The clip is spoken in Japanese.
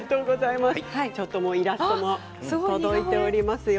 イラストも届いておりますよ。